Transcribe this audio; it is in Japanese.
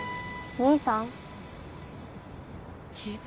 兄さん？